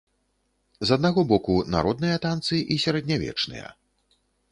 З аднаго боку, народныя танцы і сярэднявечныя.